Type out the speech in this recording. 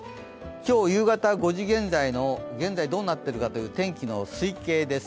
今日夕方５時現在どうなっているかという天気の推計です。